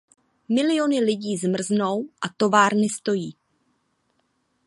Miliony lidí mrznou a továrny stojí.